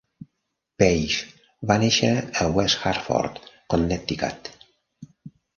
Paige va néixer a West Hartford, Connecticut.